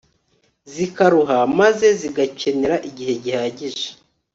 zikaruha maze zigakenera igihe gihagije